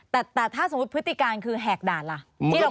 แต่ถ้าสมมุติพฤติการคือแหกด่านล่ะที่เราคุยกันตอนต้น